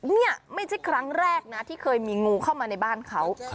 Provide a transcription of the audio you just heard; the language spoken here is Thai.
นี่ไม่ใช่ครั้งแรกนะที่เคยมีงูเข้ามาในบ้านเขา